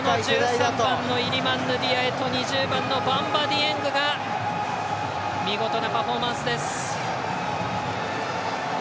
１３番のイリマン・ヌディアエと２０番のバンバ・ディエングが見事なパフォーマンスです。